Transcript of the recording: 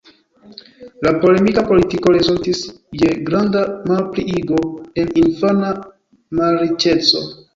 La polemika politiko rezultis je granda malpliigo en infana malriĉeco.